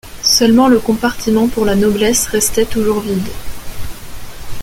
Seulement le compartiment pour la noblesse restait toujours vide.